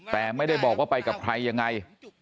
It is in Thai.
แต่ไม่ได้บอกว่าไปกับใครยังไง